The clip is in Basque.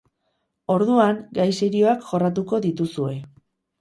Orduan, gai serioak jorratuko dituzue.